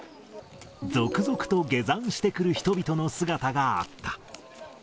続々と下山してくる人々の姿があった。